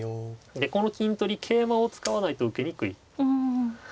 でこの金取り桂馬を使わないと受けにくい。